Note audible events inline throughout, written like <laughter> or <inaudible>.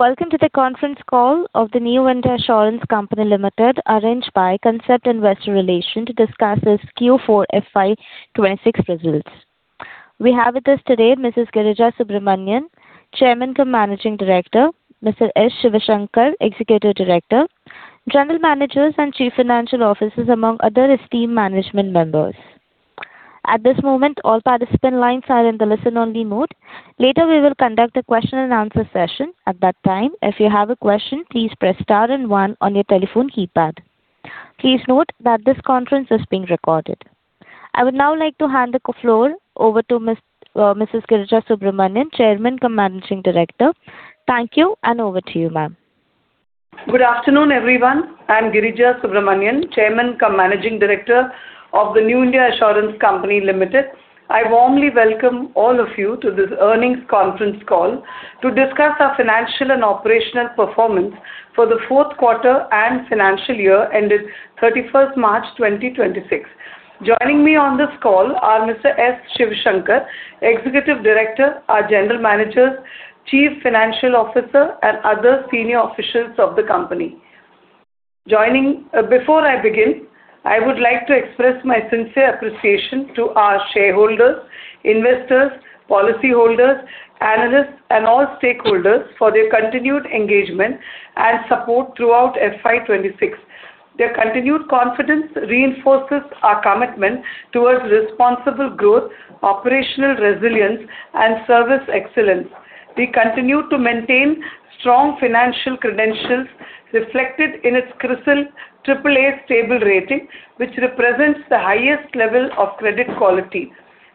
Welcome to the conference call of the New India Assurance Company Limited, arranged by Concept Investor Relations to discuss its Q4 FY 2026 results. We have with us today Mrs. Girija Subramanian, Chairman cum Managing Director, Mr. S. Sivasankar, Executive Director, General Managers and Chief Financial Officers, among other esteemed management members. At this moment, all participant lines are in the listen-only mode. Later, we will conduct a question-and-answer session. At that time, if you have a question, please press star and one on your telephone keypad. Please note that this conference is being recorded. I would now like to hand the floor over to Mrs. Girija Subramanian, Chairman cum Managing Director. Thank you, and over to you, ma'am. Good afternoon, everyone. I'm Girija Subramanian, Chairman cum Managing Director of the New India Assurance Company Limited. I warmly welcome all of you to this earnings conference call to discuss our financial and operational performance for the fourth quarter and financial year ended March 31st, 2026. Joining me on this call are Mr. S. Sivasankar, Executive Director, our General Managers, Chief Financial Officer, and other senior officials of the company. Before I begin, I would like to express my sincere appreciation to our shareholders, investors, policyholders, analysts, and all stakeholders for their continued engagement and support throughout FY 2026. Their continued confidence reinforces our commitment towards responsible growth, operational resilience, and service excellence. We continue to maintain strong financial credentials reflected in its CRISIL AAA stable rating, which represents the highest level of credit quality.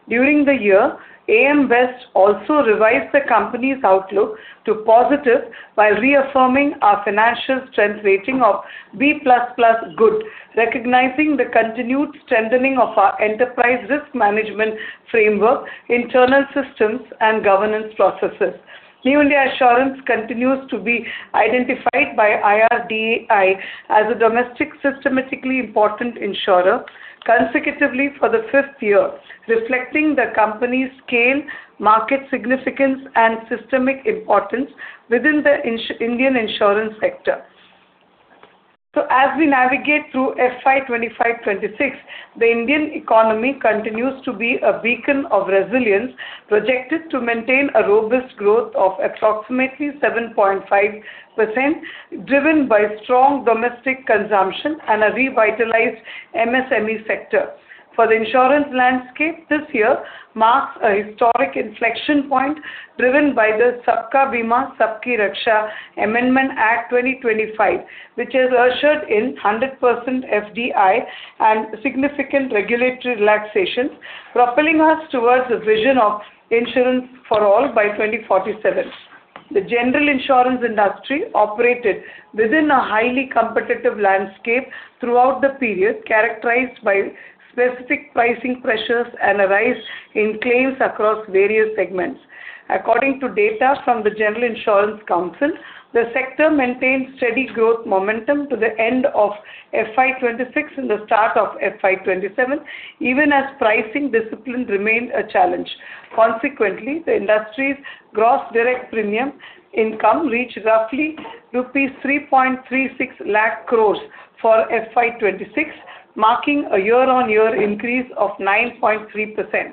During the year, AM Best also revised the company's outlook to positive by reaffirming our financial strength rating of B++ good, recognizing the continued strengthening of our Enterprise Risk Management framework, internal systems, and governance processes. New India Assurance continues to be identified by IRDAI as a Domestic Systemically Important Insurer consecutively for the fifth year, reflecting the company's scale, market significance, and systemic importance within the Indian insurance sector. As we navigate through FY 2025, 2026, the Indian economy continues to be a beacon of resilience, projected to maintain a robust growth of approximately 7.5%, driven by strong domestic consumption and a revitalized MSME sector. For the insurance landscape, this year marks a historic inflection point driven by the Sabka Bima Sabki Raksha Amendment Act, 2025, which has ushered in 100% FDI and significant regulatory relaxations, propelling us towards the vision of Insurance for All by 2047. The general insurance industry operated within a highly competitive landscape throughout the period, characterized by specific pricing pressures and a rise in claims across various segments. According to data from the General Insurance Council, the sector maintained steady growth momentum to the end of FY 2026 and the start of FY 2027, even as pricing discipline remained a challenge. Consequently, the industry's gross direct premium income reached roughly rupees 3.36 lakh crore for FY 2026, marking a year-over-year increase of 9.3%.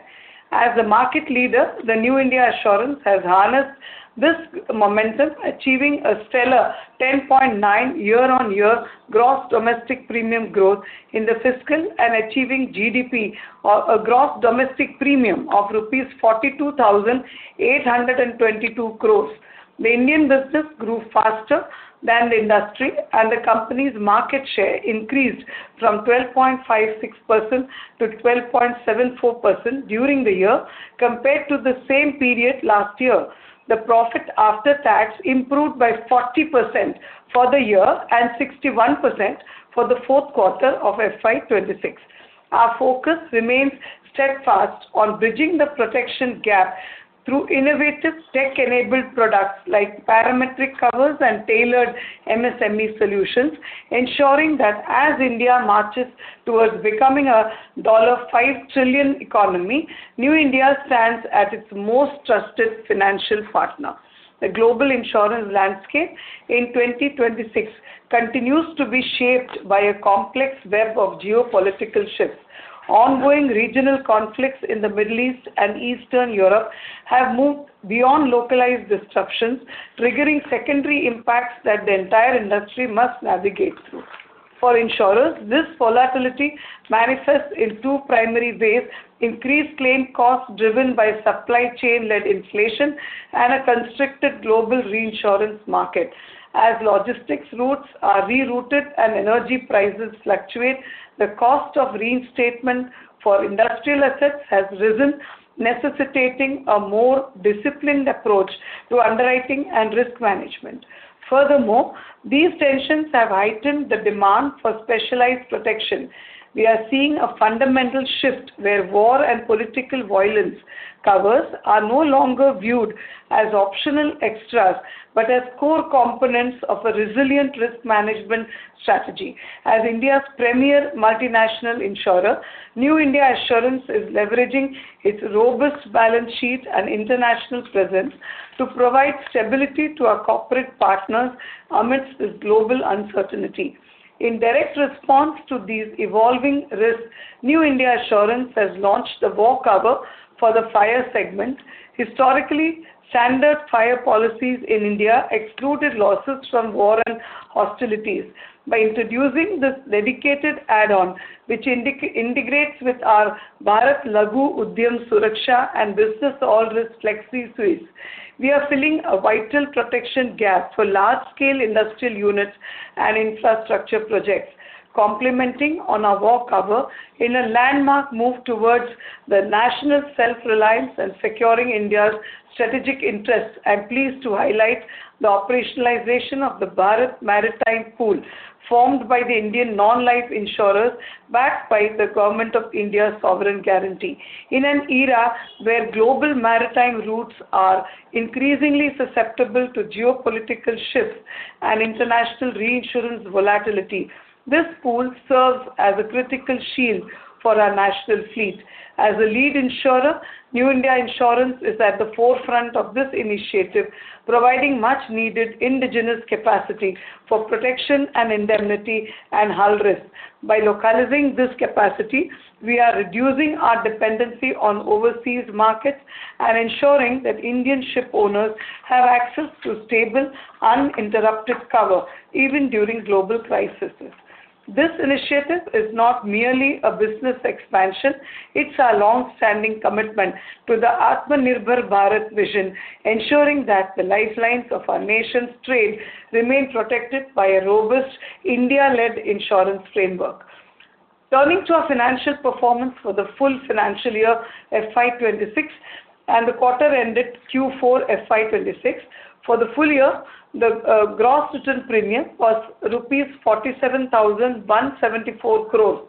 As a market leader, New India Assurance has harnessed this momentum achieving a stellar 10.9% year-on-year gross domestic premium growth in the fiscal and achieving GDP or a gross domestic premium of rupees 42,822 crore. The Indian business grew faster than the industry, the company's market share increased from 12.56%-12.74% during the year compared to the same period last year. The profit after tax improved by 40% for the year and 61% for the fourth quarter of FY 2026. Our focus remains steadfast on bridging the protection gap through innovative tech-enabled products like parametric covers and tailored MSME solutions, ensuring that as India marches towards becoming a $5 trillion economy, New India stands as its most trusted financial partner. The global insurance landscape in 2026 continues to be shaped by a complex web of geopolitical shifts. Ongoing regional conflicts in the Middle East and Eastern Europe have moved beyond localized disruptions, triggering secondary impacts that the entire industry must navigate through. For insurers, this volatility manifests in two primary ways increased claim costs driven by supply chain-led inflation and a constricted global reinsurance market. As logistics routes are rerouted and energy prices fluctuate, the cost of reinstatement for industrial assets has risen, necessitating a more disciplined approach to underwriting and risk management. Furthermore, these tensions have heightened the demand for specialized protection. We are seeing a fundamental shift where war and political violence covers are no longer viewed as optional extras, but as core components of a resilient risk management strategy. As India's premier multinational insurer, New India Assurance is leveraging its robust balance sheet and international presence to provide stability to our corporate partners amidst this global uncertainty. In direct response to these evolving risks, New India Assurance has launched the War Cover for the fire segment. Historically, standard fire policies in India excluded losses from war and hostilities. By introducing this dedicated add-on, which integrates with our Bharat Laghu Udyam Suraksha and Business All Risk Flexi suites, we are filling a vital protection gap for large-scale industrial units and infrastructure projects. Complementing on our War Cover, in a landmark move towards the national self-reliance and securing India's strategic interests, I'm pleased to highlight the operationalization of the Bharat Maritime Pool formed by the Indian non-life insurers, backed by the Government of India's sovereign guarantee. In an era where global maritime routes are increasingly susceptible to geopolitical shifts and international reinsurance volatility, this pool serves as a critical shield for our national fleet. As a lead insurer, New India Assurance is at the forefront of this initiative, providing much-needed indigenous capacity for protection and indemnity and hull risk. By localizing this capacity, we are reducing our dependency on overseas markets and ensuring that Indian shipowners have access to stable, uninterrupted cover even during global crises. This initiative is not merely a business expansion, it's our long-standing commitment to the Atmanirbhar Bharat vision, ensuring that the lifelines of our nation's trade remain protected by a robust India-led insurance framework. Turning to our financial performance for the full financial year FY 2026 and the quarter ended Q4 FY 2026. For the full year, the gross written premium was rupees 47,174 crore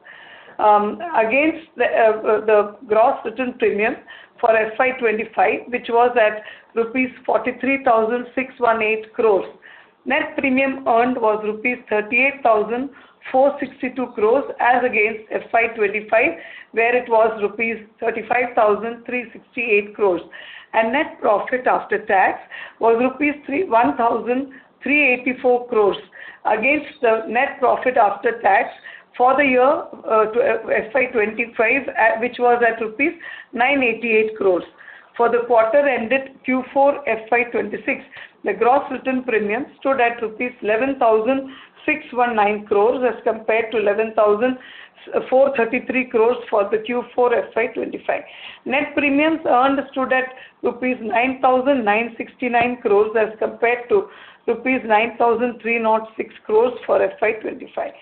against the gross written premium for FY 2025, which was at rupees 43,618 crore. Net premium earned was rupees 38,462 crore as against FY 2025, where it was rupees 35,368 crore. Net profit after tax was rupees 1,384 crore against the net profit after tax for the year FY 2025, which was at rupees 988 crore. For the quarter ended Q4 FY 2026, the gross written premium stood at INR 11,619 crore as compared to 11,433 crore for the Q4 FY 2025. Net premiums earned stood at INR 9,969 crore as compared to INR 9,306 crore for FY 2025.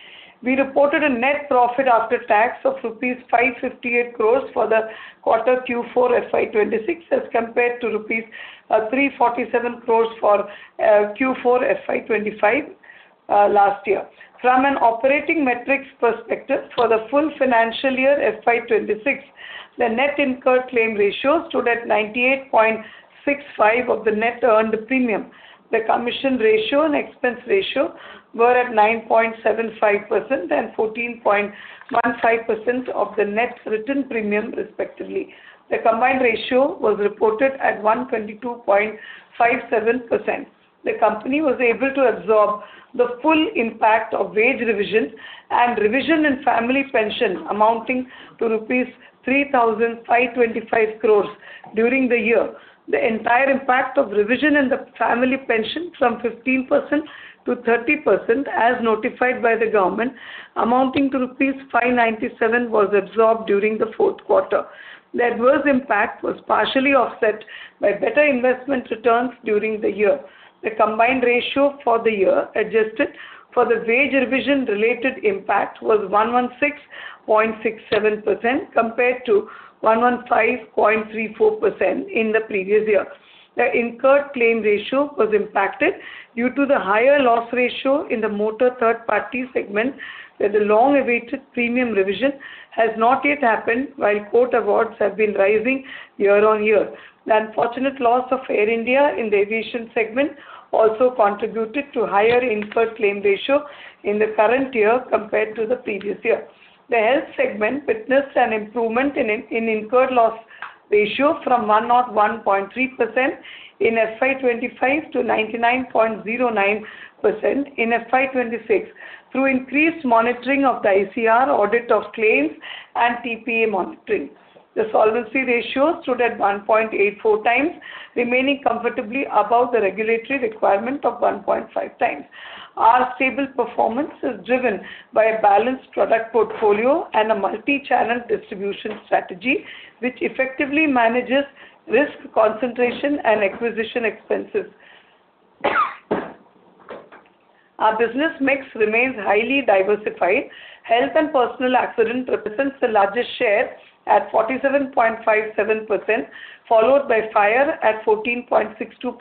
We reported a net profit after tax of INR 558 crore for the quarter Q4 FY 2026 as compared to INR 347 crore for Q4 FY 2025 last year. From an operating metrics perspective, for the full financial year FY 2026, the net incurred claim ratio stood at 98.65% of the net earned premium. The commission ratio and expense ratio were at 9.75% and 14.15% of the net written premium, respectively. The combined ratio was reported at 122.57%. The company was able to absorb the full impact of wage revision and revision in family pension amounting to rupees 3,525 crore during the year. The entire impact of revision in the family pension from 15%-30%, as notified by the government, amounting to rupees 597 was absorbed during the fourth quarter. The adverse impact was partially offset by better investment returns during the year. The combined ratio for the year, adjusted for the wage revision related impact, was 116.67% compared to 115.34% in the previous year. The incurred claim ratio was impacted due to the higher loss ratio in the motor third party segment, where the long-awaited premium revision has not yet happened while court awards have been rising year-on-year. The unfortunate loss of Air India in the aviation segment also contributed to higher incurred claim ratio in the current year compared to the previous year. The Health segment witnessed an improvement in incurred loss ratio from 101.3% in FY 2025 to 99.09% in FY 2026 through increased monitoring of the ICR audit of claims and TPA monitoring. The solvency ratio stood at 1.84x, remaining comfortably above the regulatory requirement of 1.5x. Our stable performance is driven by a balanced product portfolio and a multi-channel distribution strategy, which effectively manages risk concentration and acquisition expenses. Our business mix remains highly diversified. Health and personal accident represents the largest share at 47.57%, followed by fire at 14.62%,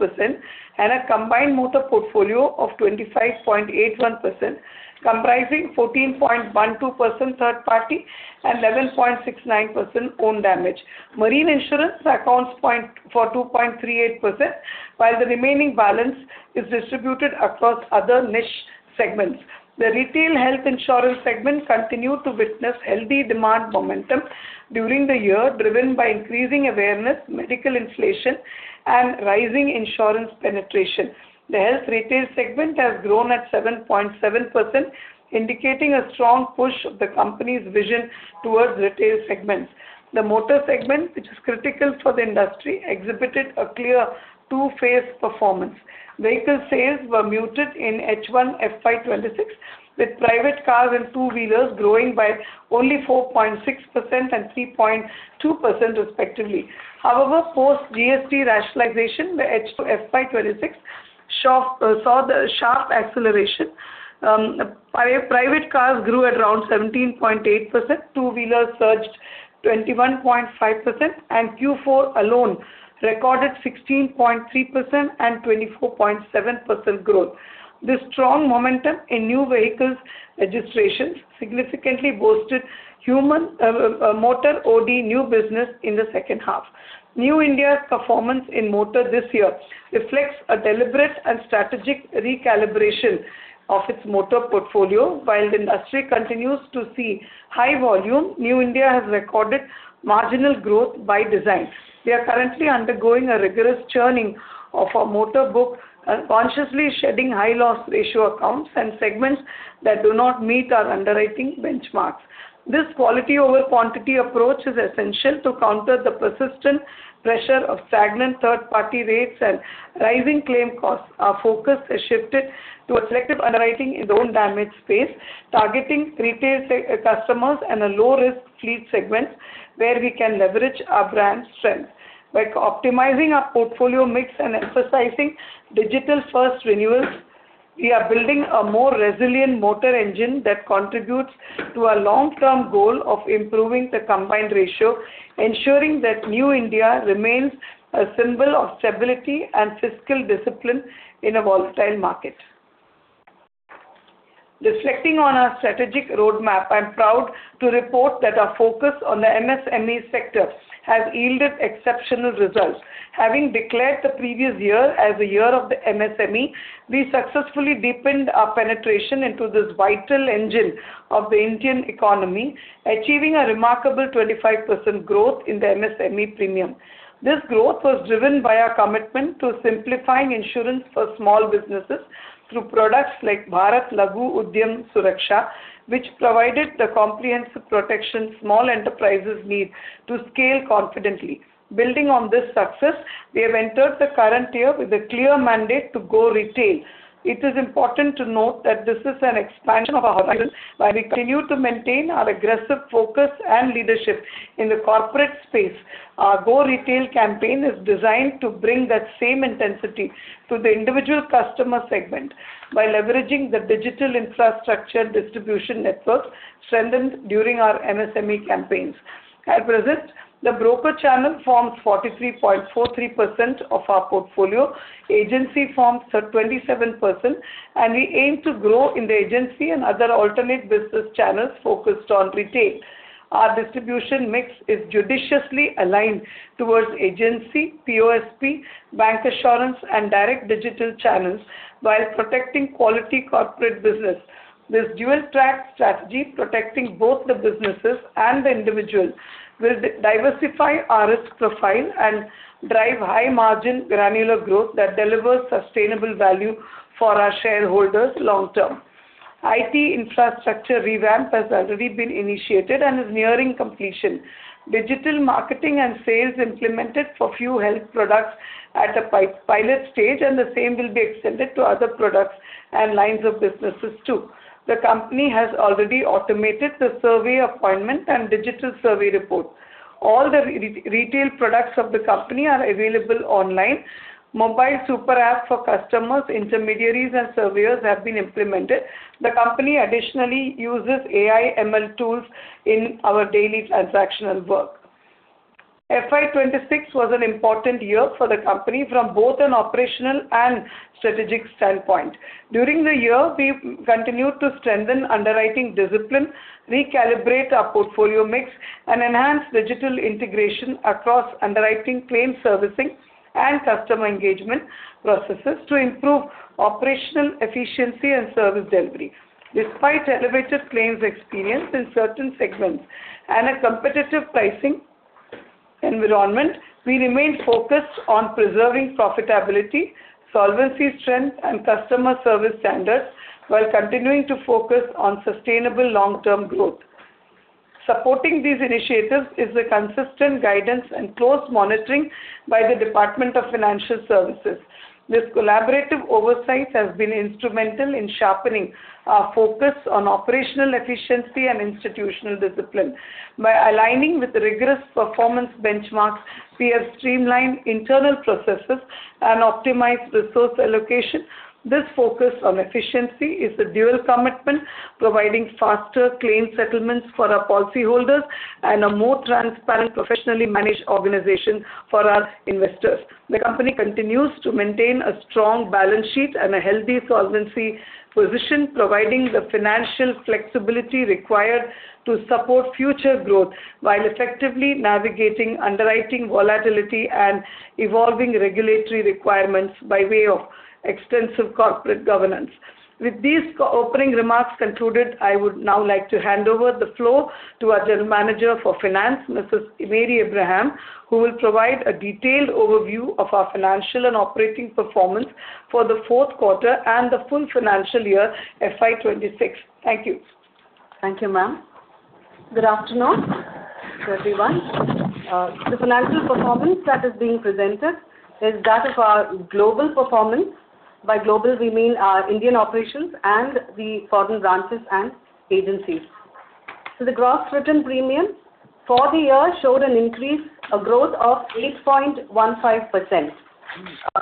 and a combined motor portfolio of 25.81%, comprising 14.12% third party and 11.69% own damage. Marine insurance accounts for 2.38%, while the remaining balance is distributed across other niche segments. The Retail Health Insurance segment continued to witness healthy demand momentum during the year, driven by increasing awareness, medical inflation, and rising insurance penetration. The Health Retail segment has grown at 7.7%, indicating a strong push of the company's vision towards retail segments. The motor segment, which is critical for the industry, exhibited a clear two-phase performance. Vehicle sales were muted in H1 FY 2026, with private cars and two-wheelers growing by only 4.6% and 3.2% respectively. Post-GST rationalization, the H2 FY 2026 saw the sharp acceleration. Private cars grew at around 17.8%, two-wheelers surged 21.5%, and Q4 alone recorded 16.3% and 24.7% growth. This strong momentum in new vehicles registrations significantly boosted motor OD new business in the second half. New India's performance in motor this year reflects a deliberate and strategic recalibration of its motor portfolio. While the industry continues to see high volume, New India has recorded marginal growth by design. We are currently undergoing a rigorous churning of our motor book and consciously shedding high loss ratio accounts and segments that do not meet our underwriting benchmarks. This quality over quantity approach is essential to counter the persistent pressure of stagnant third-party rates and rising claim costs. Our focus has shifted to a selective underwriting in own damage space, targeting retail customers and a low risk fleet segment where we can leverage our brand strength. By optimizing our portfolio mix and emphasizing digital first renewals, we are building a more resilient motor engine that contributes to our long-term goal of improving the combined ratio, ensuring that New India remains a symbol of stability and fiscal discipline in a volatile market. Reflecting on our strategic roadmap, I'm proud to report that our focus on the MSME sector has yielded exceptional results. Having declared the previous year as the year of the MSME, we successfully deepened our penetration into this vital engine of the Indian economy, achieving a remarkable 25% growth in the MSME premium. This growth was driven by our commitment to simplifying insurance for small businesses through products like Bharat Laghu Udyam Suraksha, which provided the comprehensive protection small enterprises need to scale confidently. Building on this success, we have entered the current year with a clear mandate to Go Retail. It is important to note that this is an expansion of our horizon while we continue to maintain our aggressive focus and leadership in the corporate space. Our Go Retail campaign is designed to bring that same intensity to the individual customer segment by leveraging the digital infrastructure distribution networks strengthened during our MSME campaigns. At present, the broker channel forms 43.43% of our portfolio, agency forms 27%, and we aim to grow in the agency and other alternate business channels focused on retail. Our distribution mix is judiciously aligned towards agency, POSP, Bancassurance, and direct digital channels while protecting quality corporate business. This dual track strategy protecting both the businesses and the individual will diversify our risk profile and drive high margin granular growth that delivers sustainable value for our shareholders long term. IT infrastructure revamp has already been initiated and is nearing completion. Digital marketing and sales implemented for few health products at the pilot stage, and the same will be extended to other products and lines of businesses too. The company has already automated the survey appointment and digital survey report. All the retail products of the company are available online. Mobile super app for customers, intermediaries and surveyors have been implemented. The company additionally uses AI/ML tools in our daily transactional work. FY 2026 was an important year for the company from both an operational and strategic standpoint. During the year, we continued to strengthen underwriting discipline, recalibrate our portfolio mix, and enhance digital integration across underwriting claim servicing and customer engagement processes to improve operational efficiency and service delivery. Despite elevated claims experience in certain segments and a competitive pricing environment, we remain focused on preserving profitability, solvency strength and customer service standards while continuing to focus on sustainable long-term growth. Supporting these initiatives is the consistent guidance and close monitoring by the Department of Financial Services. This collaborative oversight has been instrumental in sharpening our focus on operational efficiency and institutional discipline. By aligning with rigorous performance benchmarks, we have streamlined internal processes and optimized resource allocation. This focus on efficiency is a dual commitment, providing faster claim settlements for our policyholders and a more transparent, professionally managed organization for our investors. The company continues to maintain a strong balance sheet and a healthy solvency position, providing the financial flexibility required to support future growth while effectively navigating underwriting volatility and evolving regulatory requirements by way of extensive corporate governance. With these opening remarks concluded, I would now like to hand over the floor to our General Manager for Finance, Mrs. Mary Abraham, who will provide a detailed overview of our financial and operating performance for the fourth quarter and the full financial year FY 2026. Thank you. Thank you, ma'am. Good afternoon to everyone. The financial performance that is being presented is that of our global performance. By global, we mean our Indian operations and the foreign branches and agencies. The gross written premium for the year showed an increase, a growth of 8.15%.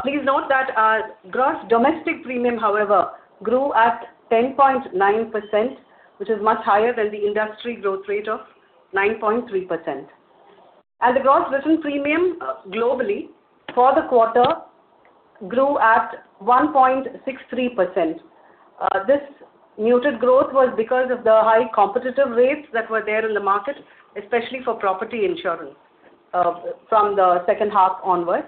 Please note that our Gross Domestic Premium, however, grew at 10.9%, which is much higher than the industry growth rate of 9.3%. The gross written premium, globally for the quarter grew at 1.63%. This muted growth was because of the high competitive rates that were there in the market, especially for property insurance, from the second half onwards.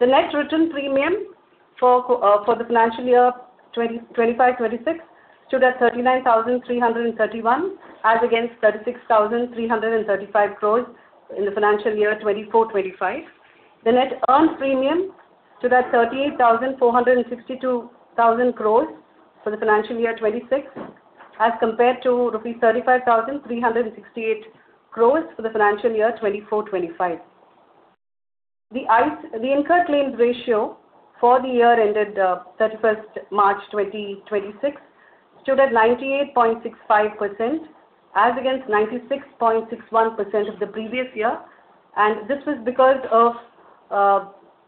The net written premium for the financial year 2025-2026 stood at 39,331 crore as against 36,335 crore in the financial year 2024, 2025. The net earned premium stood at 38,462,000 crore for the financial year 2026, as compared to INR 35,368 crore for the financial year 2024-2025. The incurred claims ratio for the year ended, March 31st, 2026 stood at 98.65%, as against 96.61% of the previous year. This was because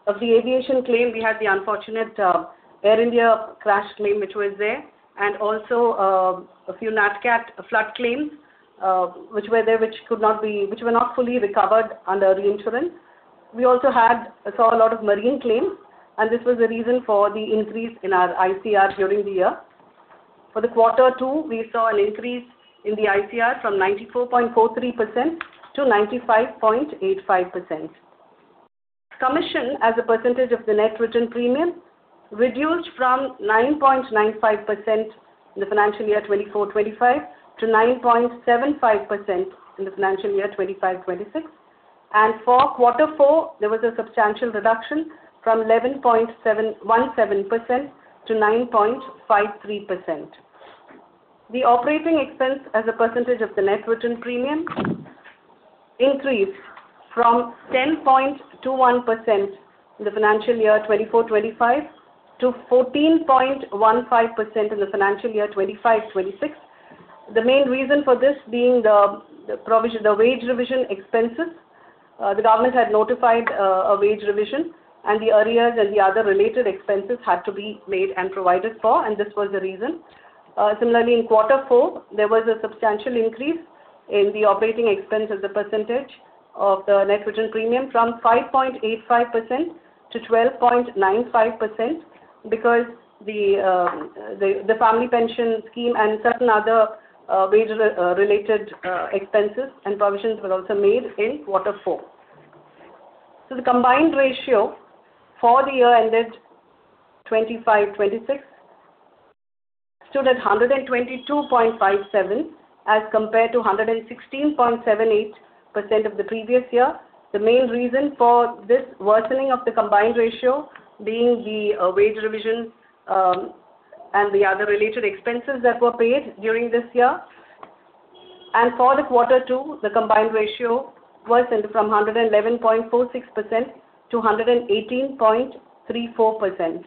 of the aviation claim. We had the unfortunate Air India crash claim which was there, and also a few NatCat flood claims which were there, which were not fully recovered under reinsurance. We also saw a lot of marine claims, and this was the reason for the increase in our ICR during the year. For the quarter two, we saw an increase in the ICR from 94.43%-95.85%. Commission as a percentage of the net written premium reduced from 9.95% in the financial year 2024-2025 to 9.75% in the financial year 2025-2026. For quarter four, there was a substantial reduction from 11.17%-9.53%. The operating expense as a percentage of the net written premium increased from 10.21% in the financial year 2024-2025 to 14.15% in the financial year 2025-2026. The main reason for this being the wage revision expenses. The government had notified a wage revision, and the arrears and the other related expenses had to be made and provided for, and this was the reason. Similarly, in quarter four, there was a substantial increase in the operating expense as a percentage of the net written premium from 5.85%-12.95% because the family pension scheme and certain other wage related expenses and provisions were also made in quarter four. The combined ratio for the year ended 2025-2026 stood at 122.57% as compared to 116.78% of the previous year. The main reason for this worsening of the combined ratio being the wage revision and the other related expenses that were paid during this year. For the quarter two, the combined ratio worsened from 111.46%-118.34%.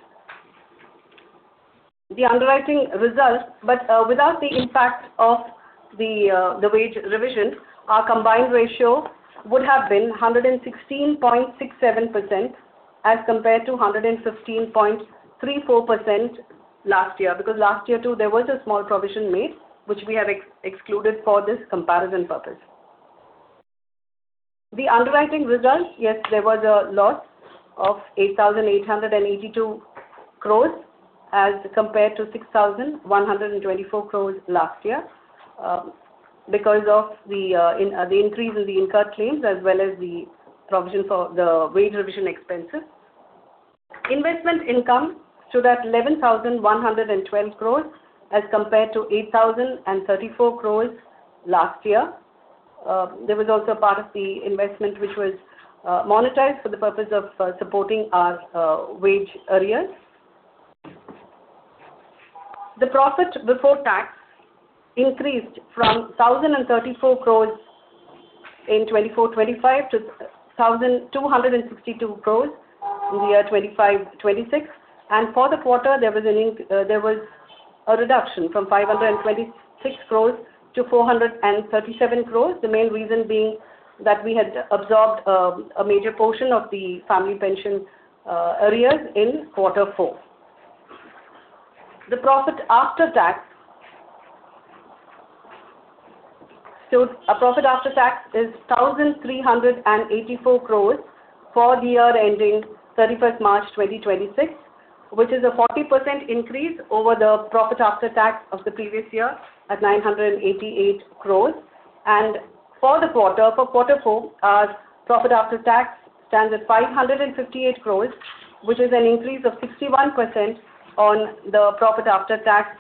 The underwriting results. Without the impact of the wage revision, our combined ratio would have been 116.67% as compared to 116.34% last year. Last year, too, there was a small provision made, which we have excluded for this comparison purpose. The underwriting results, yes, there was a loss of 8,882 crore as compared to 6,124 crore last year, because of the increase in the incurred claims as well as the provision for the wage revision expenses. Investment income stood at 11,112 crore as compared to 8,034 crore last year. There was also part of the investment which was monetized for the purpose of supporting our wage arrears. The profit before tax increased from 1,034 crore in 2024-2025 to 1,262 crore in the year 2025-2026. For the quarter there was a reduction from 526 crore-437 crore. The main reason being that we had absorbed a major portion of the family pension arrears in quarter four. The profit after tax is 1,384 crore for the year ending March 31st, 2026, which is a 40% increase over the profit after tax of the previous year at 988 crore. For the quarter, for quarter four, our profit after tax stands at 558 crore, which is an increase of 61% on the profit after tax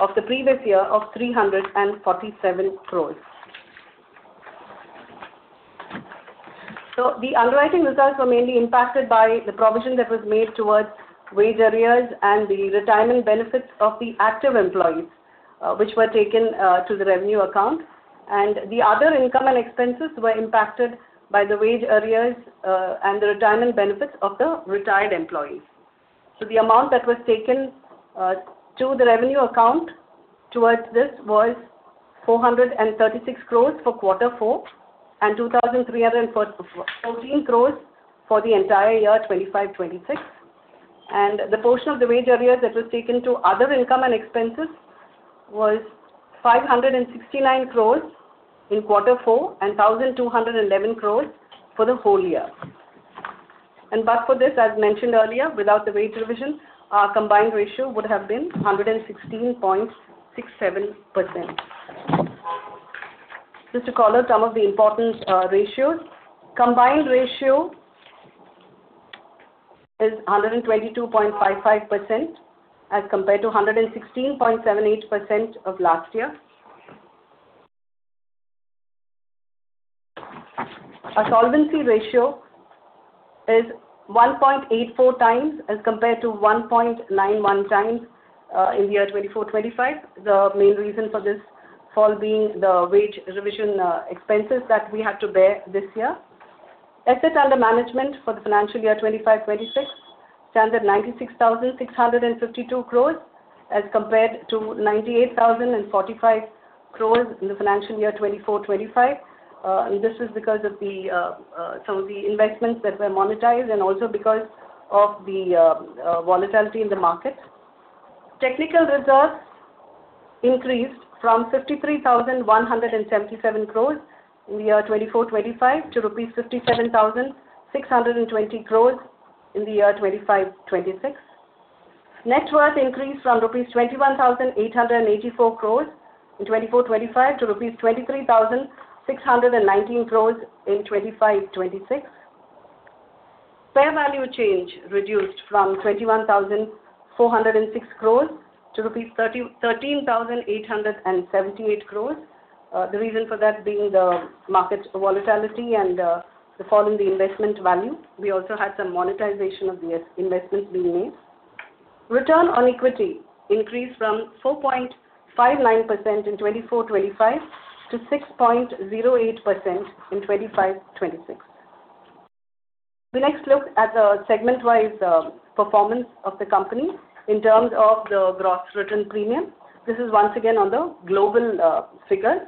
of the previous year of 347 crore. The underwriting results were mainly impacted by the provision that was made towards wage arrears and the retirement benefits of the active employees, which were taken to the revenue account. The other income and expenses were impacted by the wage arrears and the retirement benefits of the retired employees. The amount that was taken to the revenue account towards this was 436 crore for quarter four and 2,314 crore for the entire year, 2025-2026. The portion of the wage arrears that was taken to other income and expenses was 569 crore in quarter four and 1,211 crore for the whole year. But for this, as mentioned earlier, without the wage revision, our combined ratio would have been 116.67%. Just to call out some of the important ratios. Combined ratio is 122.55% as compared to 116.78% of last year. Our solvency ratio is 1.84x as compared to 1.91x in year 2024-2025. The main reason for this fall being the wage revision expenses that we had to bear this year. Assets under management for the financial year 2025-2026 stands at 96,652 crore as compared to 98,045 crore in the financial year 2024-2025. This is because of some of the investments that were monetized and also because of the volatility in the market. Technical reserves increased from 53,177 crore in the year 2024-2025 to rupees 57,620 crore in the year 2025-2026. Net worth increased from rupees 21,884 crore in 2024-2025 to rupees 23,619 crore in 2025-2026. Fair value change reduced from 21,406 crore-13,878 crore rupees. The reason for that being the market volatility and the fall in the investment value. We also had some monetization of the investments being made. Return on equity increased from 4.59% in 2024-2025 to 6.08% in 2025-2026. We next look at the segment-wise performance of the company in terms of the gross written premium. This is once again on the global figure.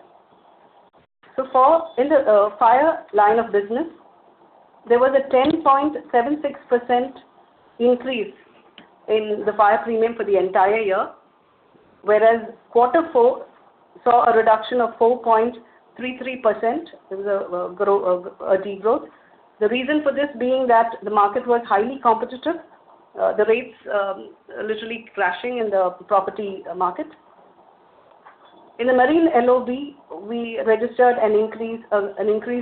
In the fire line of business, there was a 10.76% increase in the fire premium for the entire year, whereas quarter four saw a reduction of 4.33%. There was a degrowth. The reason for this being that the market was highly competitive, the rates literally crashing in the property market. In the marine LOB, we registered an increase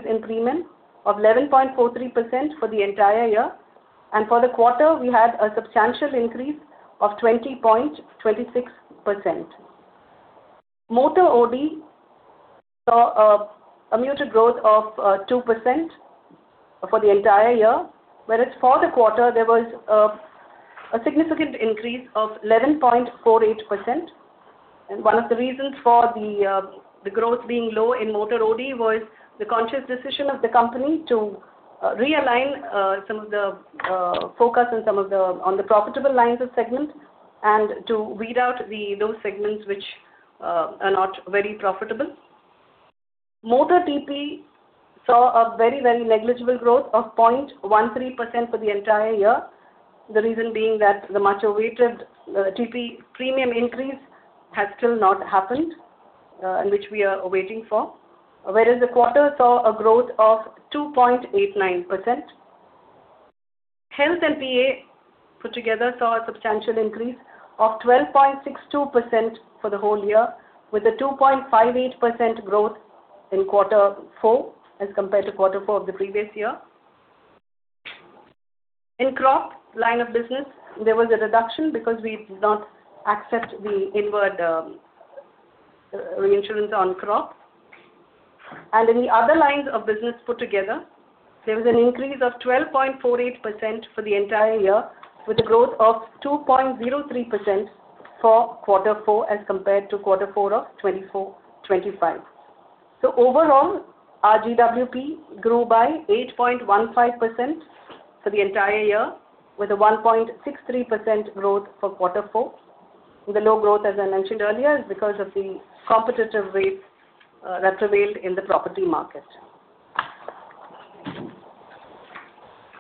in premium of 11.43% for the entire year. For the quarter, we had a substantial increase of 20.26%. Motor OD saw a muted growth of 2% for the entire year, whereas for the quarter there was a significant increase of 11.48%. One of the reasons for the growth being low in motor OD was the conscious decision of the company to realign some of the focus on some of the profitable lines of segment and to weed out the low segments which are not very profitable. Motor TP saw a very negligible growth of 0.13% for the entire year. The reason being that the much-awaited TP premium increase has still not happened, which we are waiting for. The quarter saw a growth of 2.89%. Health and PA put together saw a substantial increase of 12.62% for the whole year, with a 2.58% growth in quarter four as compared to quarter four of the previous year. In crop line of business, there was a reduction because we did not accept the inward reinsurance on crop. In the other lines of business put together, there was an increase of 12.48% for the entire year, with a growth of 2.03% for quarter four as compared to quarter four of 2024-2025. Overall, our GWP grew by 8.15% for the entire year, with a 1.63% growth for quarter four. The low growth, as I mentioned earlier, is because of the competitive rates that prevailed in the property market.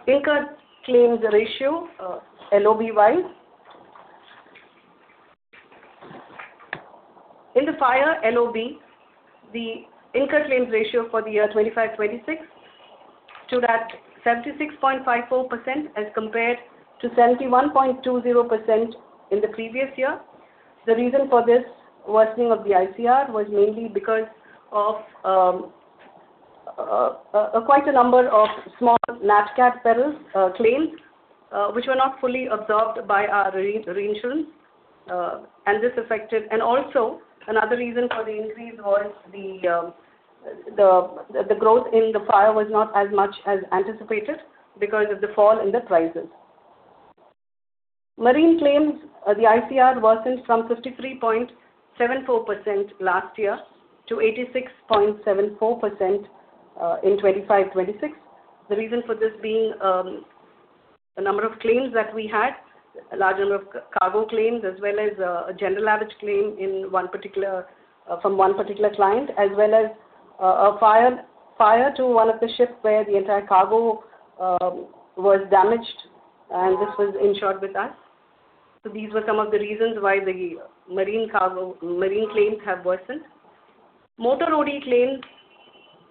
Incurred claims ratio, LOB-wise. In the fire LOB, the incurred claims ratio for the year 2025-2026 stood at 76.54% as compared to 71.20% in the previous year. The reason for this worsening of the ICR was mainly because of quite a number of small nat cat perils claims which were not fully absorbed by our reinsurance. Another reason for the increase was the growth in the fire was not as much as anticipated because of the fall in the prices. Marine claims, the ICR worsened from 53.74% last year to 86.74% in 2025-2026. The reason for this being, the number of claims that we had, a large number of cargo claims, as well as, a General Average claim in one particular, from one particular client, as well as, a fire to one of the ships where the entire cargo was damaged, and this was insured with us. These were some of the reasons why the Marine claims have worsened. Motor OD claims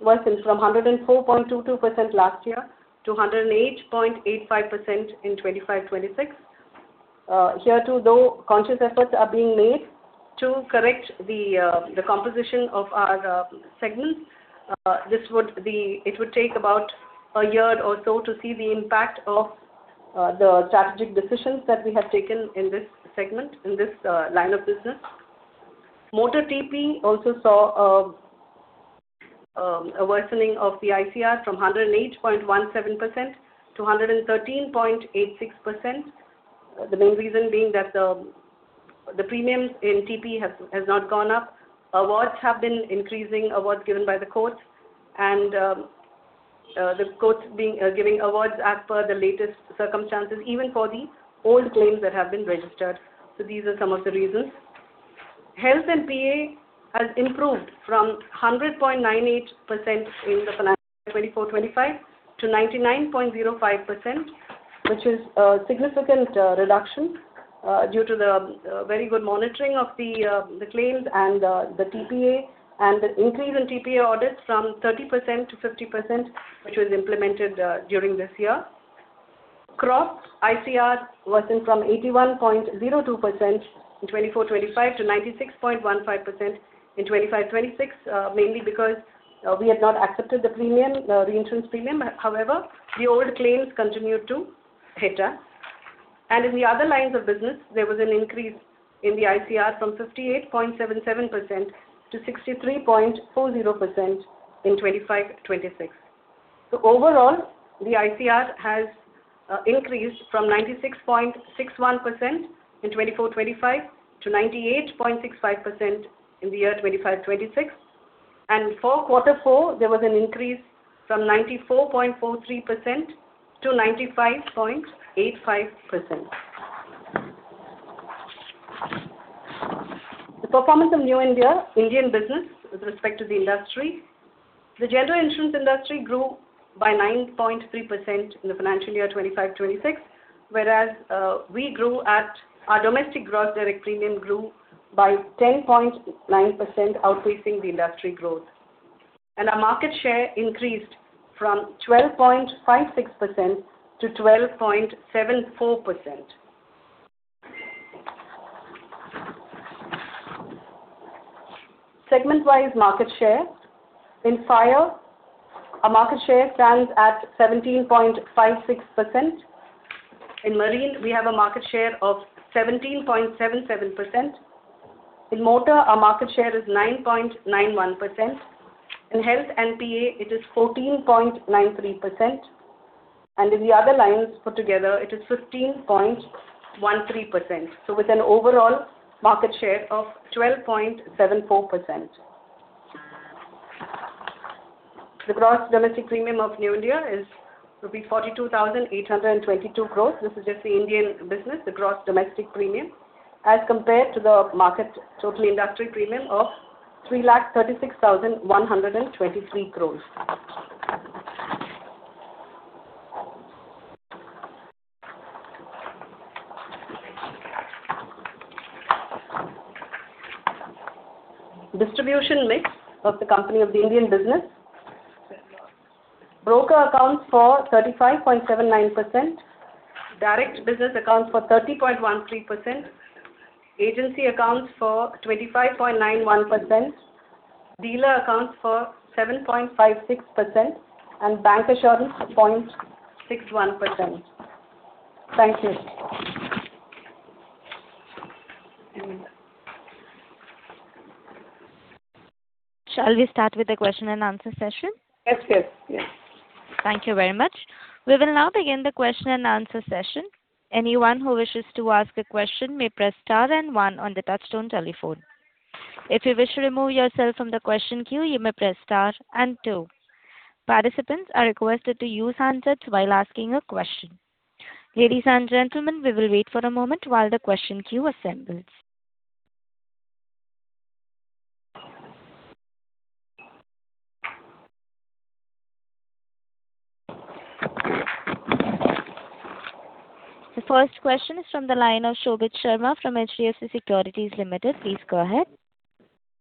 worsened from 104.22% last year to 108.85% in 2025-2026. Hereto, though, conscious efforts are being made to correct the composition of our segment. It would take about a year or so to see the impact of the strategic decisions that we have taken in this segment, in this line of business. Motor TP also saw a worsening of the ICR from 108.17%-113.86%. The main reason being that the premiums in TP has not gone up. Awards have been increasing, awards given by the courts and giving awards as per the latest circumstances, even for the old claims that have been registered. These are some of the reasons. Health and PA has improved from 100.98% in the FY 2024-2025 to 99.05%, which is a significant reduction due to the very good monitoring of the claims and the TPA, and the increase in TPA audits from 30%-50%, which was implemented during this year. Crop ICR worsened from 81.02% in 2024-2025 to 96.15% in 2025-2026, mainly because we had not accepted the premium, the reinsurance premium. However, the old claims continued to hit us. In the other lines of business, there was an increase in the ICR from 58.77%-63.40% in 2025-2026. Overall, the ICR has increased from 96.61% in 2024-2025 to 98.65% in the year 2025-2026. For quarter four, there was an increase from 94.43%-95.85%. The performance of New India, Indian business with respect to the industry. The general insurance industry grew by 9.3% in the financial year 2025-2026, whereas our domestic gross direct premium grew by 10.9%, outpacing the industry growth. Our market share increased from 12.56%-12.74%. Segment wise market share. In fire, our market share stands at 17.56%. In marine, we have a market share of 17.77%. In motor, our market share is 9.91%. In Health and PA, it is 14.93%. In the other lines put together, it is 15.13%. With an overall market share of 12.74%. The gross domestic premium of New India is rupees 42,822 crore. This is just the Indian business, the gross domestic premium, as compared to the market total industry premium of 336,123 crore. Distribution mix of the company of the Indian business. Broker accounts for 35.79%. Direct business accounts for 30.13%. Agency accounts for 25.91%. Dealer accounts for 7.56%, and Bancassurance 0.61%. Thank you. Shall we start with the question-and-answer session? Yes, yes. Yes. Thank you very much. We will now begin the question-and answer-session. Anyone who wishes to ask a question may press star and one on the touchtone telephone. If you wish to remove yourself from the question queue, you may press star and two. Participants are requested to use handsets while asking a question. Ladies and gentlemen, we will wait for a moment while the question queue assembles. The first question is from the line of Shobhit Sharma from HDFC Securities Limited. Please go ahead.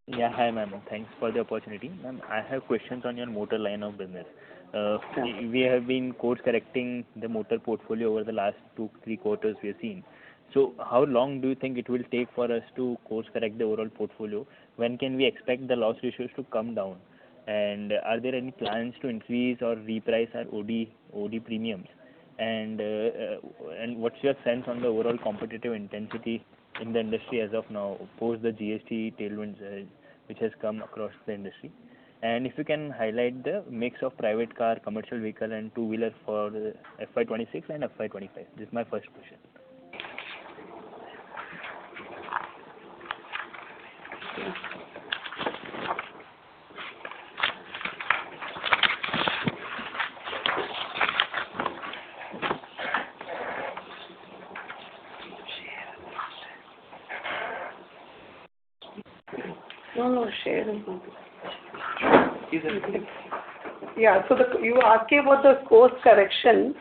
Yeah. Hi, ma'am. Thanks for the opportunity. Ma'am, I have questions on your motor line of business. Sure. We have been course correcting the motor portfolio over the last two, three quarters we have seen. How long do you think it will take for us to course correct the overall portfolio? When can we expect the loss ratios to come down? Are there any plans to increase or reprice our OD premiums? What's your sense on the overall competitive intensity in the industry as of now, post the GST tailwinds which has come across the industry? If you can highlight the mix of private car, commercial vehicle and two-wheeler for FY 2026 and FY 2025. This is my first question. No, no, share it. Is it? Yeah. You asked me about the course correction.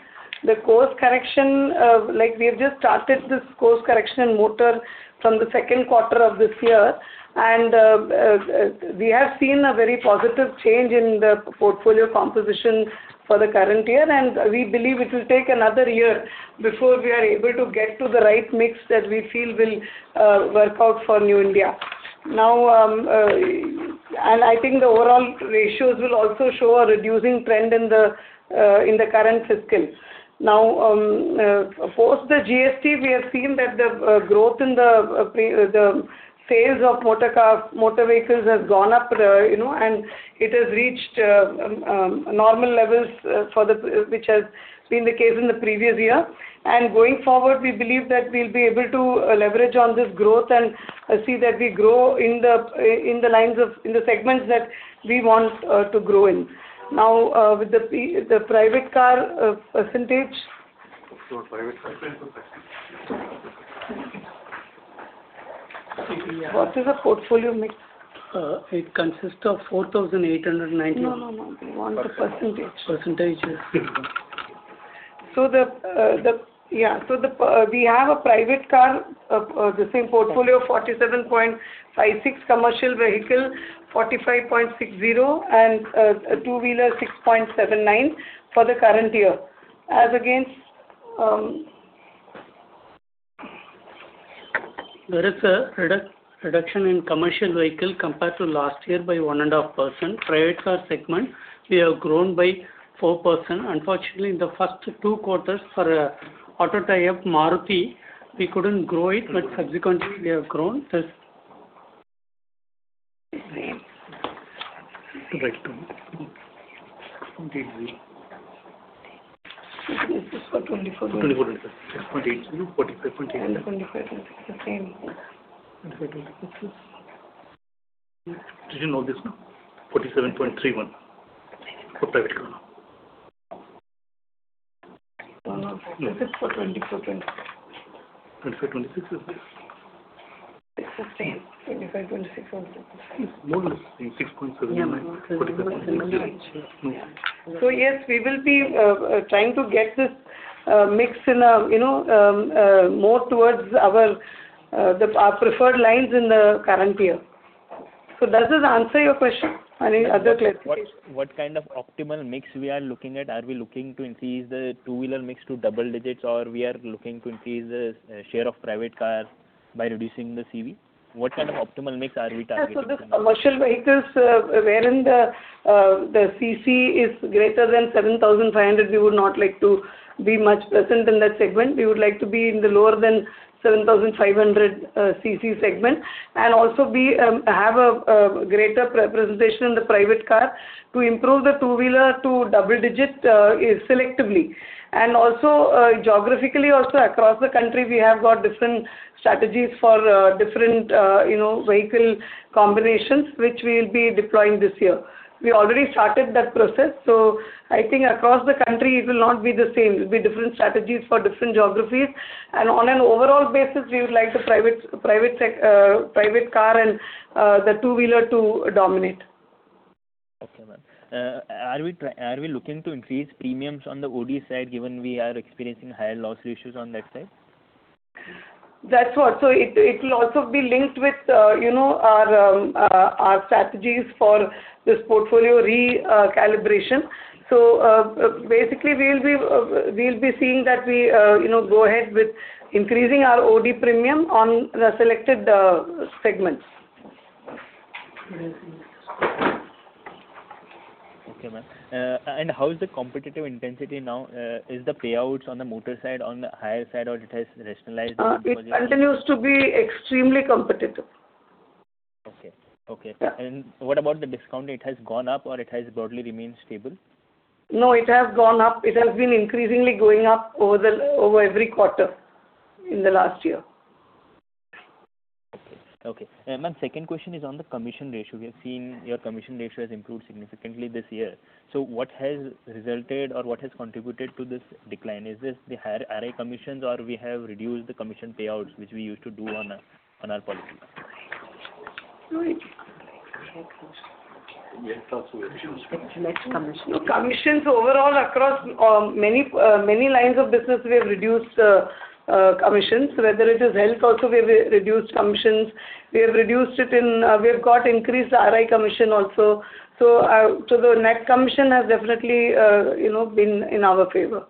The course correction, like we have just started this course correction motor from the second quarter of this year. We have seen a very positive change in the portfolio composition for the current year, and we believe it will take another year before we are able to get to the right mix that we feel will work out for New India. Now, and I think the overall ratios will also show a reducing trend in the current fiscal. Now, post the GST, we have seen that the growth in the sales of motor vehicles has gone up, you know, and it has reached normal levels which has been the case in the previous year. Going forward, we believe that we'll be able to leverage on this growth and see that we grow in the segments that we want to grow in. Now, with the private car percentage. Private car. What is the portfolio mix? It consists of 4,890. No, no. We want the percentage. Percentage. Yes. We have a private car, this thing, portfolio 47.56%, commercial vehicle 45.60%, and two-wheeler 6.79% for the current year. At the begins, uh- There is a reduction in commercial vehicle compared to last year by 1.5%. Private car segment, we have grown by 4%. Unfortunately, in the first two quarters for auto tie-up Maruti, we couldn't grow it, but subsequently we have grown. This is for 2024. 2024. 6.80%, 45.80%. The 2025-2026 same. 2025-2026. Didn't know this, no? 47.31% for private car, no? No, no. This is for 2024-2025. 2024-2026 is this. It's the same. 2025-2026, 16% the same. No, no. 6.79%. Yeah. <inaudible> Yeah. Yes, we will be trying to get this mix in a, you know, more towards our preferred lines in the current year. Does this answer your question any other clarification? What kind of optimal mix we are looking at? Are we looking to increase the two-wheeler mix to double digits or we are looking to increase the share of private car by reducing the CV? What kind of optimal mix are we targeting this quarter? The commercial vehicles, wherein the CC is greater than 7,500, we would not like to be much present in that segment. We would like to be in the lower than 7,500 CC segment, and also be, have a greater representation in the private car to improve the two-wheeler to double-digit selectively. Geographically also across the country we have got different strategies for different, you know, vehicle combinations which we will be deploying this year. We already started that process, I think across the country it will not be the same. It'll be different strategies for different geographies. On an overall basis, we would like the private car and the two-wheeler to dominate. Okay, ma'am. Are we looking to increase premiums on the OD side given we are experiencing higher loss ratios on that side? That's what. It will also be linked with, you know, our strategies for this portfolio calibration. Basically we'll be seeing that we, you know, go ahead with increasing our OD premium on the selected segments. Okay, ma'am. How is the competitive intensity now? Is the payouts on the motor side on the higher side or it has rationalized a bit? It continues to be extremely competitive. Okay. Yeah. What about the discount? It has gone up or it has broadly remained stable? No, it has gone up. It has been increasingly going up over every quarter in the last year. Okay. Okay. Ma'am, second question is on the commission ratio. We have seen your commission ratio has improved significantly this year. What has resulted or what has contributed to this decline? Is this the higher RI commissions or we have reduced the commission payouts which we used to do on our policy? No commissions overall across many many lines of business we have reduced commissions. Whether it is health also we have reduced commissions. We have reduced it in we have got increased RI commission also. The net commission has definitely, you know, been in our favor.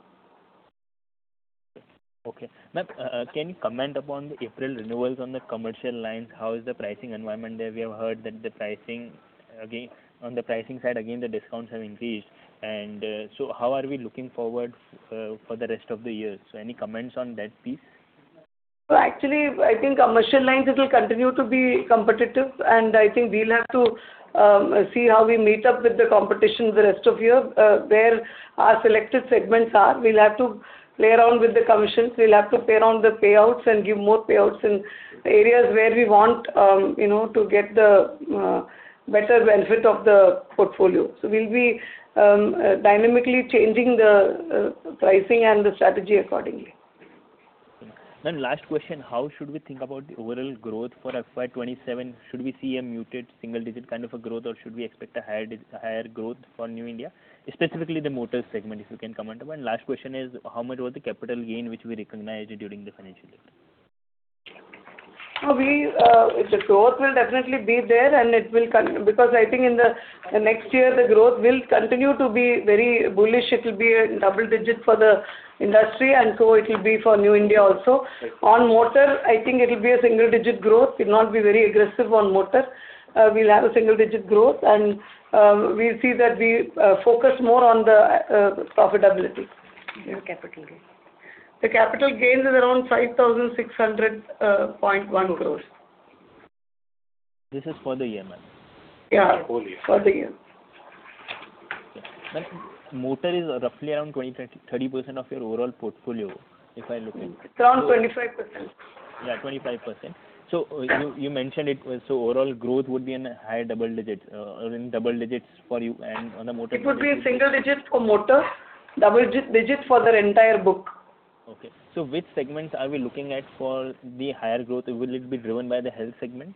Okay. Ma'am, can you comment upon the April renewals on the commercial lines? How is the pricing environment there? We have heard that on the pricing side the discounts have increased and how are we looking forward for the rest of the year? Any comments on that piece? Actually I think commercial lines it will continue to be competitive, and I think we'll have to see how we meet up with the competition the rest of year, where our selected segments are. We'll have to play around with the commissions. We'll have to play around the payouts and give more payouts in areas where we want, you know, to get the better benefit of the portfolio. We'll be dynamically changing the pricing and the strategy accordingly. Ma'am, last question. How should we think about the overall growth for FY 2027? Should we see a muted single-digit kind of a growth or should we expect a higher growth for New India, specifically the motor segment, if you can comment upon? Last question is how much was the capital gain which we recognized during the financial year? We, the growth will definitely be there and it will because I think in the next year the growth will continue to be very bullish. It will be a double-digit for the industry. It'll be for New India also. On motor, I think it'll be a single-digit growth. It not be very aggressive on motor. We'll have a single-digit growth and we'll see that we focus more on the profitability. Capital gain. The capital gains is around 5,600.1 crore. This is for the year, ma'am. Yeah. Whole year. For the year. Ma'am, motor is roughly around 20%-30% of your overall portfolio, if I look at it. It's around 25%. Yeah, 25%. You mentioned it, so overall growth would be in higher double digits or in double digits for you and on the motor segment. It would be single digits for motor, double digits for the entire book. Okay. Which segments are we looking at for the higher growth? Will it be driven by the Health segment?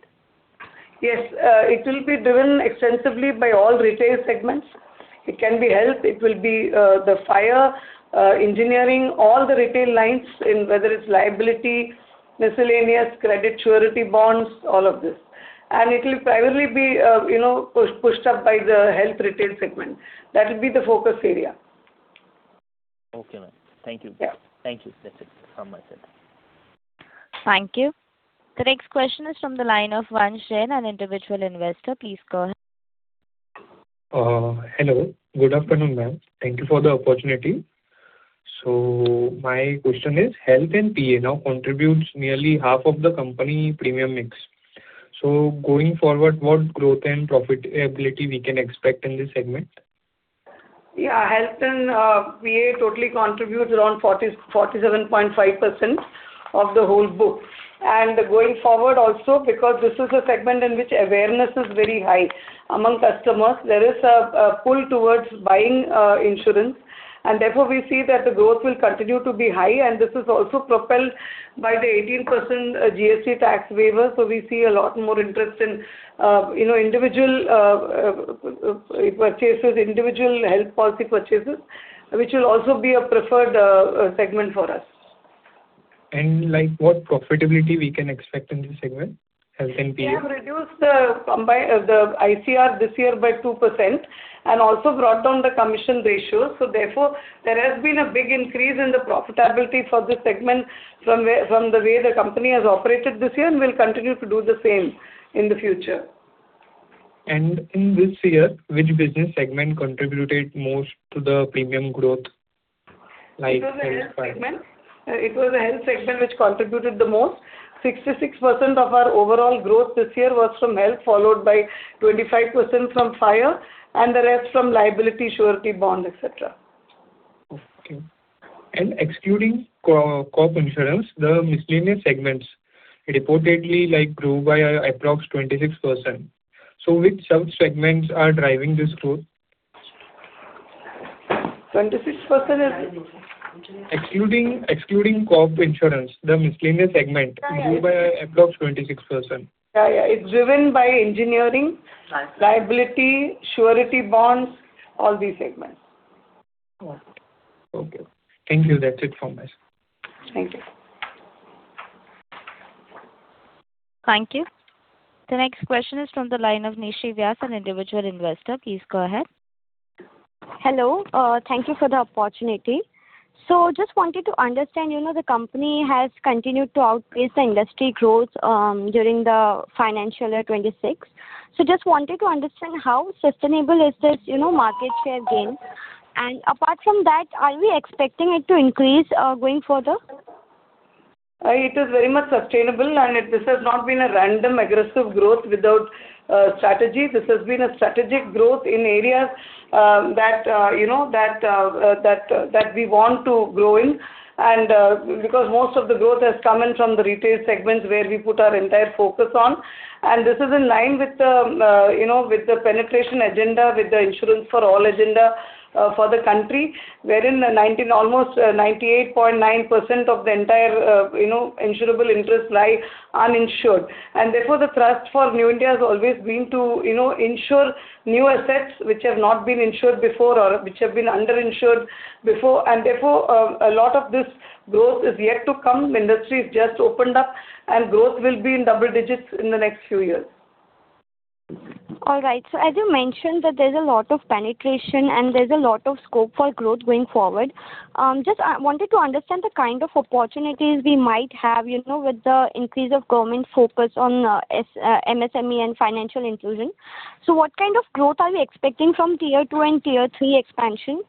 Yes, it will be driven extensively by all retail segments. It can be Health, it will be, the fire, engineering, all the retail lines in whether it's liability, miscellaneous credit surety bonds, all of this. It will primarily be, you know, pushed up by the Health Retail segment. That will be the focus area. Okay, ma'am. Thank you. Yeah. Thank you. That's it from my side. Thank you. The next question is from the line of Vansh Jain, an individual investor. Please go ahead. Hello. Good afternoon, Ma'am. Thank you for the opportunity. My question is Health and PA now contributes nearly half of the company premium mix. Going forward, what growth and profitability we can expect in this segment? Yeah, Health and PA totally contributes around 47.5% of the whole book. Going forward also because this is a segment in which awareness is very high among customers, there is a pull towards buying insurance and therefore we see that the growth will continue to be high and this is also propelled by the 18% GST tax waiver. We see a lot more interest in, you know, individual purchases, individual health policy purchases, which will also be a preferred segment for us. Like what profitability we can expect in this segment, Health and PA? We have reduced the ICR this year by 2% and also brought down the commission ratio. Therefore, there has been a big increase in the profitability for this segment from where, from the way the company has operated this year, and we'll continue to do the same in the future. In this year, which business segment contributed most to the premium growth, like Health, fire? It was the Health segment which contributed the most. 66% of our overall growth this year was from Health, followed by 25% from fire, and the rest from liability, surety bond, etc. Okay. Excluding crop insurance, the miscellaneous segments reportedly like grew by approx 26%. Which sub-segments are driving this growth? 26% has been- Excluding crop insurance, the miscellaneous segment- Yeah, yeah. ...grew by approx 26%. Yeah. It's driven by Engineering- Okay. ...Liability, Surety Bonds, all these segments. Okay. Thank you. That's it from my side. Thank you. Thank you. The next question is from the line of Nishi Vyas, an individual investor. Please go ahead. Hello. Thank you for the opportunity. Just wanted to understand, you know, the company has continued to outpace the industry growth during the financial year 2026. Just wanted to understand how sustainable is this, you know, market share gain. Apart from that, are we expecting it to increase going further? It is very much sustainable, this has not been a random aggressive growth without strategy. This has been a strategic growth in areas, you know, that we want to grow in. Because most of the growth has come in from the retail segments where we put our entire focus on. This is in line with the, you know, with the penetration agenda, with the Insurance for All agenda for the country, wherein almost 98.9% of the entire, you know, insurable interest lie uninsured. Therefore, the thrust for New India has always been to, you know, insure new assets which have not been insured before or which have been under-insured before. Therefore, a lot of this growth is yet to come. Industry has just opened up, and growth will be in double digits in the next few years. All right. As you mentioned that there's a lot of penetration and there's a lot of scope for growth going forward. Just wanted to understand the kind of opportunities we might have, you know, with the increase of government focus on MSME and financial inclusion. What kind of growth are we expecting from Tier II and Tier III expansion?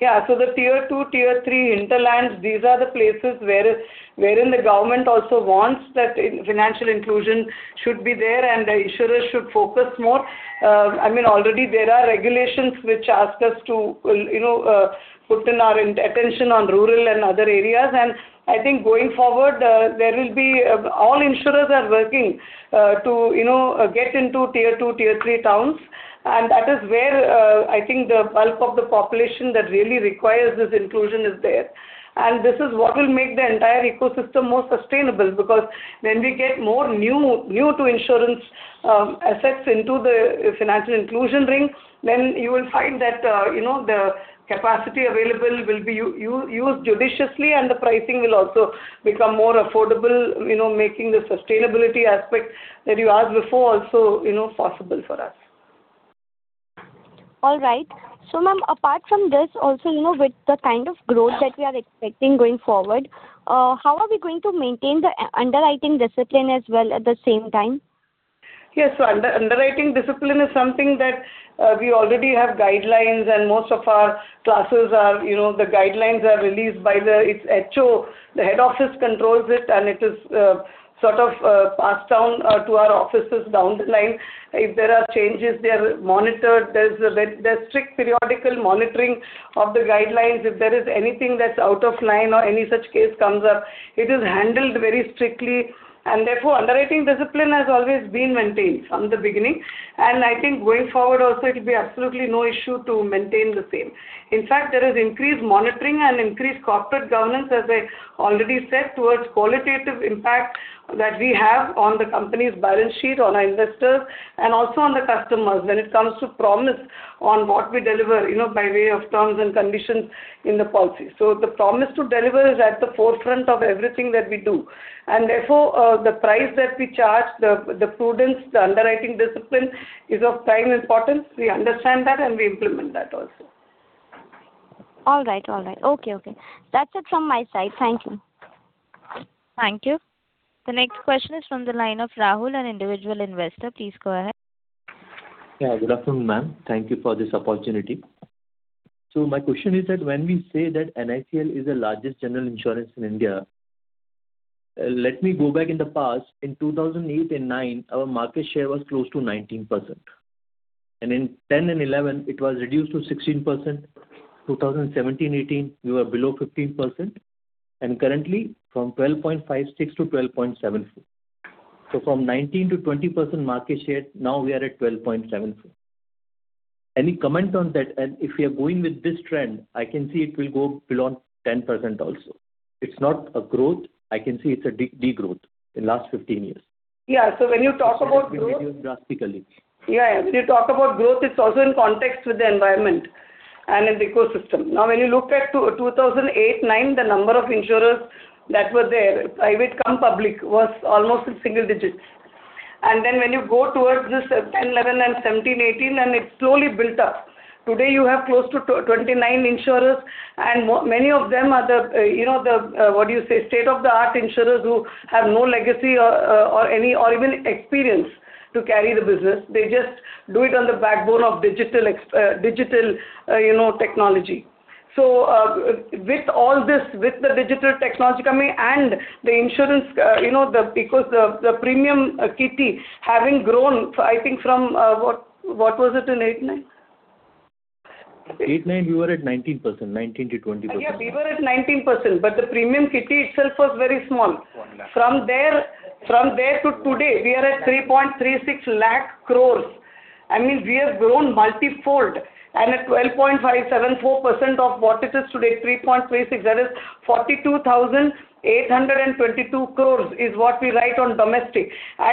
The Tier II, Tier III hinterlands, these are the places where, wherein the government also wants that financial inclusion should be there and the insurers should focus more. I mean, already there are regulations which ask us to, you know, put in our attention on rural and other areas. I think going forward, there will be, all insurers are working, to, you know, get into Tier II, Tier III towns. That is where, I think the bulk of the population that really requires this inclusion is there. This is what will make the entire ecosystem more sustainable, because when we get more new to insurance, assets into the financial inclusion ring, then you will find that, you know, the capacity available will be used judiciously, and the pricing will also become more affordable, you know, making the sustainability aspect that you asked before also, you know, possible for us. All right. Ma'am, apart from this also, you know, with the kind of growth that we are expecting going forward, how are we going to maintain the underwriting discipline as well at the same time? Yes. Underwriting discipline is something that we already have guidelines, and most of our classes are, the guidelines are released by its HO. The head office controls it, and it is sort of passed down to our offices down the line. If there are changes, they are monitored. There's strict periodical monitoring of the guidelines. If there is anything that's out of line or any such case comes up, it is handled very strictly. Therefore, underwriting discipline has always been maintained from the beginning. I think going forward also, it'll be absolutely no issue to maintain the same. In fact, there is increased monitoring and increased corporate governance, as I already said, towards qualitative impact that we have on the company's balance sheet, on our investors, and also on the customers when it comes to promise on what we deliver, you know, by way of terms and conditions in the policy. The promise to deliver is at the forefront of everything that we do. Therefore, the price that we charge, the prudence, the underwriting discipline is of prime importance. We understand that, and we implement that also. All right. All right. Okay. Okay. That's it from my side. Thank you. Thank you. The next question is from the line of Rahul, an individual investor. Please go ahead. Yeah. Good afternoon, ma'am. Thank you for this opportunity. My question is that when we say that New India Assurance is the largest general insurance in India, let me go back in the past. In 2008 and 2009, our market share was close to 19%. In 2010 and 2011, it was reduced to 16%. 2017, 2018, we were below 15%. Currently from 12.56%-12.74%. From 19%-20% market share, now we are at 12.74%. Any comment on that? If we are going with this trend, I can see it will go below 10% also. It's not a growth. I can see it's a degrowth in last 15 years. Yeah. When you talk about growth. It has reduced drastically. Yeah. When you talk about growth, it's also in context with the environment. In the ecosystem. Now, when you look at 2008-2009, the number of insurers that were there, private cum public, was almost in single digits. When you go towards this 2010-2011 and 2017-2018, it slowly built up. Today you have close to 29 insurers. Many of them are the, you know, the, what do you say, state-of-the-art insurers who have no legacy or even experience to carry the business. They just do it on the backbone of digital, you know, technology. With all this, with the digital technology coming and the insurance, you know, the because the premium kitty having grown, I think from what was it in 2008-2009? Eight, nine we were at 19%, 19%-20%. Yeah, we were at 19%, but the premium kitty itself was very small. INR 1 lakh. From there to today, we are at 3.36 lakh crore. I mean, we have grown multi-fold and at 12.574% of what it is today, 3.36 lakh crore, that is 42,822 crore is what we write on domestic.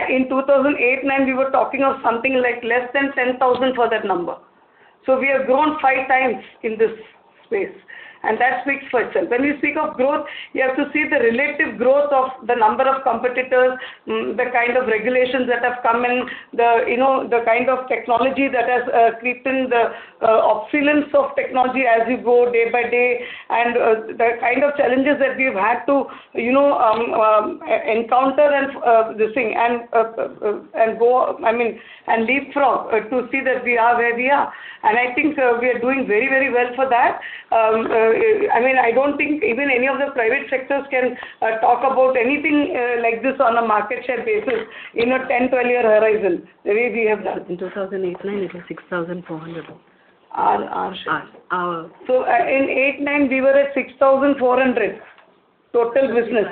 In 2008-2009, we were talking of something like less than 10,000 for that number. We have grown five times in this space, and that speaks for itself. When you speak of growth, you have to see the relative growth of the number of competitors, the kind of regulations that have come in, the, you know, the kind of technology that has creeping the opulence of technology as you go day by day and the kind of challenges that we've had to, you know, encounter and this thing and go, I mean, and leapfrog to see that we are where we are. I think we are doing very well for that. I mean, I don't think even any of the private sectors can talk about anything like this on a market share basis in a 10, 12 year horizon, the way we have done. In 2008, 2009 it was 6,400. Our, our- Our. In 2008-2009 we were at 6,400 total business.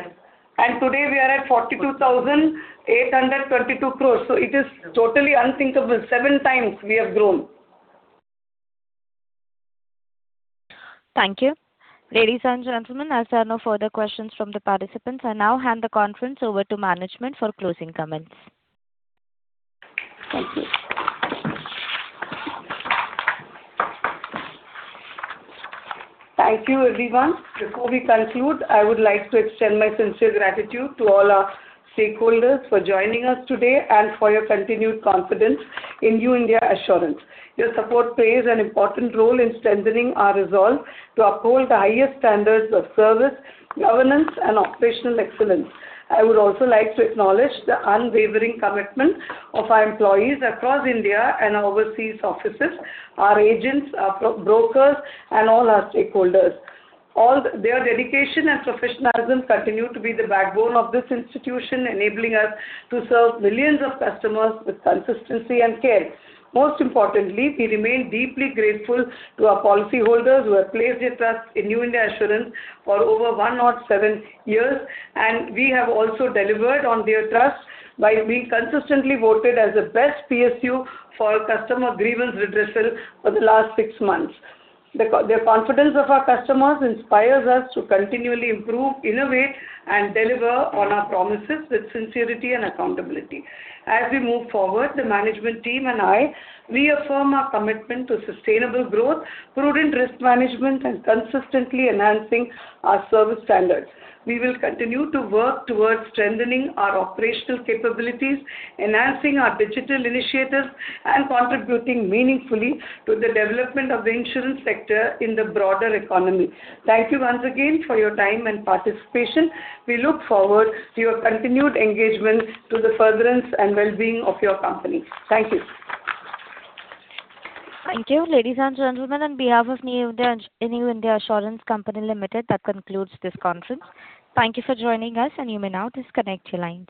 Right. Today we are at 42,822 crore. It is totally unthinkable. Seven times we have grown. Thank you. Ladies and gentlemen, as there are no further questions from the participants, I now hand the conference over to management for closing comments. Thank you. Thank you, everyone. Before we conclude, I would like to extend my sincere gratitude to all our stakeholders for joining us today and for your continued confidence in New India Assurance. Your support plays an important role in strengthening our resolve to uphold the highest standards of service, governance, and operational excellence. I would also like to acknowledge the unwavering commitment of our employees across India and our overseas offices, our agents, our brokers, and all our stakeholders. Their dedication and professionalism continue to be the backbone of this institution, enabling us to serve millions of customers with consistency and care. Most importantly, we remain deeply grateful to our policyholders who have placed their trust in New India Assurance for over 107 years, and we have also delivered on their trust by being consistently voted as the best PSU for customer grievance redressal for the last six months. The confidence of our customers inspires us to continually improve, innovate, and deliver on our promises with sincerity and accountability. As we move forward, the management team and I reaffirm our commitment to sustainable growth, prudent risk management, and consistently enhancing our service standards. We will continue to work towards strengthening our operational capabilities, enhancing our digital initiatives, and contributing meaningfully to the development of the insurance sector in the broader economy. Thank you once again for your time and participation. We look forward to your continued engagement to the furtherance and well-being of your company. Thank you. Thank you. Ladies and gentlemen, on behalf of New India Assurance Company Limited, that concludes this conference. Thank you for joining us. You may now disconnect your lines.